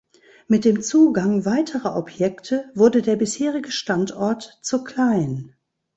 Mit dem Zugang weiterer Objekte wurde der bisherige Standort zu klein.